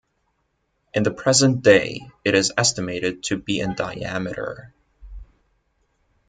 In the present day it is estimated to be in diameter.